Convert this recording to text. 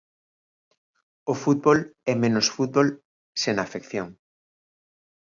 O fútbol é menos fútbol sen a afección.